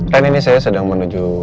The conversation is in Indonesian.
kan ini saya sedang menuju